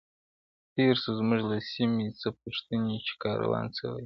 تېر سو زموږ له سیمي، څه پوښتې چي کاروان څه ویل!